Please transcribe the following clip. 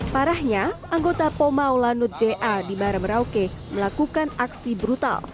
parahnya anggota pomau lanut ja di barat merauke melakukan aksi brutal